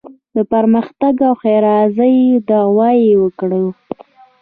د پرمختګ او ښېرازۍ دعوا یې وکړو.